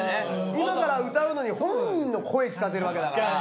今から歌うのに本人の声聞かせるわけだから。